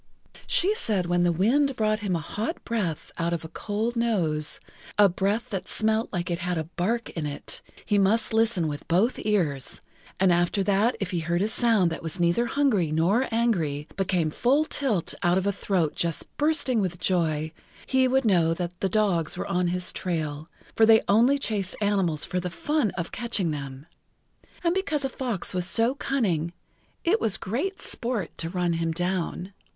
She said when the wind brought him a hot breath out of a cold nose, a breath that smelt like it had a bark in it, he must listen with both ears, and after that if he heard a sound that was neither hungry nor angry, but came full tilt out of a throat just bursting with joy, he would know that the dogs were on his trail, for they only chased animals for the fun of catching them, and because a fox was so cunning,[Pg 17] it was great sport to run him down.